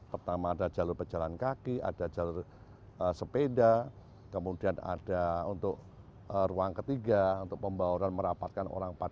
pertama ada jalur pejalan kaki ada jalur sepeda kemudian ada untuk ruang ketiga untuk pembauran merapatkan orang padat